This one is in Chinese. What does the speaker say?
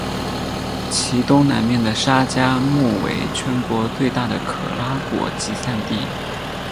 其东南面的沙加穆为全国最大的可拉果集散地。